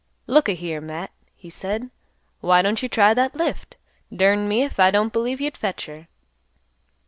"Look a here, Matt," he said, "why don't you try that lift? Durned me if I don't believe you'd fetch her."